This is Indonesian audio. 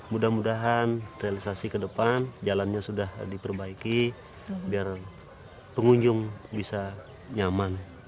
mudah mudahan realisasi ke depan jalannya sudah diperbaiki biar pengunjung bisa nyaman